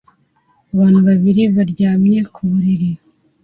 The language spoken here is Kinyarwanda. Abantu babiri baryamye ku buriri